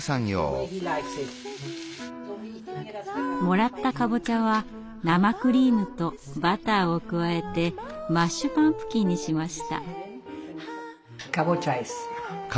もらったカボチャは生クリームとバターを加えてマッシュパンプキンにしました。